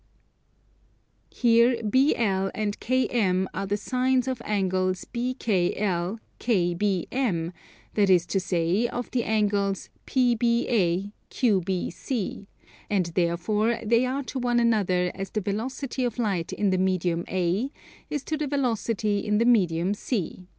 Here BL and KM are the sines of angles BKL, KBM; that is to say, of the angles PBA, QBC; and therefore they are to one another as the velocity of light in the medium A is to the velocity in the medium C.